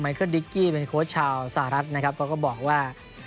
เคิลดิกกี้เป็นโค้ชชาวสหรัฐนะครับเขาก็บอกว่า